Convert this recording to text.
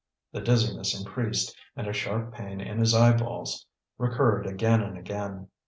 The dizziness increased, and a sharp pain in his eyeballs recurred again and again.